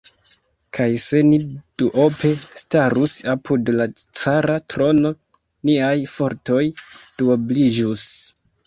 Kaj se ni duope starus apud la cara trono, niaj fortoj duobliĝus!